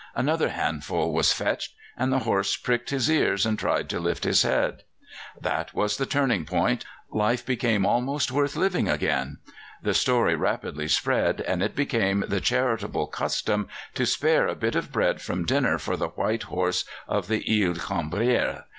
Another handful was fetched, and the horse pricked his ears, and tried to lift his head. That was the turning point; life became almost worth living again. The story rapidly spread, and it became the charitable custom to spare a bit of bread from dinner for the white horse of the Ile Cambière.